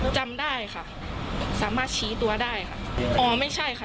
จำได้ค่ะสามารถชี้ตัวได้ค่ะอ๋อไม่ใช่ค่ะ